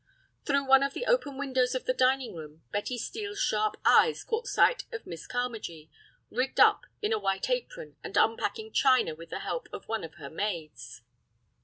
Through one of the open windows of the dining room, Betty Steel's sharp eyes caught sight of Miss Carmagee, rigged up in a white apron and unpacking china with the help of one of her maids.